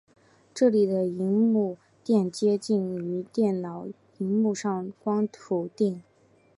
这里的萤幕靛接近于电脑萤幕上的光谱靛。